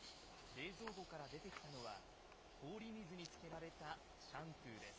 冷蔵庫から出てきたのは氷水に漬けられたシャンプーです。